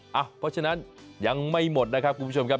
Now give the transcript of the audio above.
เพราะฉะนั้นยังไม่หมดนะครับคุณผู้ชมครับ